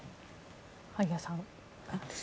萩谷さん。